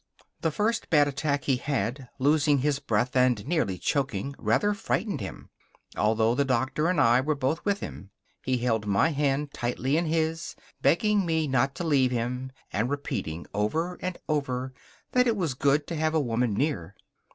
The first bad attack he had, losing his breath and nearly choking, rather frightened him, although the doctor and I were both with him. He held my hand tightly in his, begging me not to leave him, and repeating, over and over, that it was good to have a woman near.